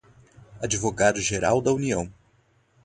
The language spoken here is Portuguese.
advogado-geral da União